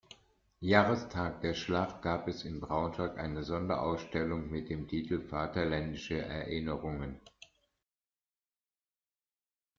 Jahrestag der Schlacht, gab es in Braunschweig eine Sonderausstellung mit dem Titel „Vaterländische Erinnerungen“.